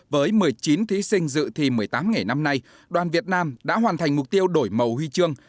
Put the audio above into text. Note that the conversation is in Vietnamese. với một mươi chín thí sinh dự thi một mươi tám nghề năm nay đoàn việt nam đã hoàn thành mục tiêu đổi màu huy chương